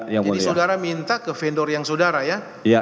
jadi saudara minta ke vendor yang saudara ya